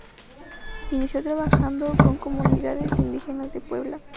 Inició trabajando con comunidades indígenas de Puebla.